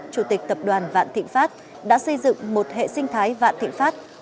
chủ tịch tập đoàn vạn thịnh pháp đã xây dựng một hệ sinh thái vạn thịnh pháp